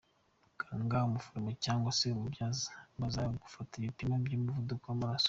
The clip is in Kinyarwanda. Muganga, umuforomo cyangwa se umubyaza bazagufata ibipimo by’umuvuduko w’amaraso.